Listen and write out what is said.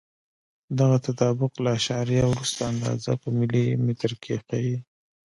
دغه تطابق له اعشاریه وروسته اندازه په ملي مترو کې ښیي.